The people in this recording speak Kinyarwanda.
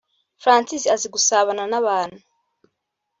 Francis azi gusabana n’abantu